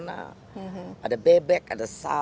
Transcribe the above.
ada bebek belanak dan ikan lele juga ada di sini ya